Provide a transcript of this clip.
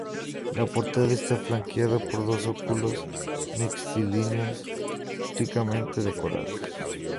La portada está flanqueada por dos óculos mixtilíneos ricamente decorados.